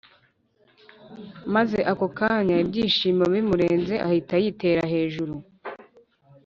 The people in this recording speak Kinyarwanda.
maze ako kanya ibyishimo bimurenze ahita yitera hejuru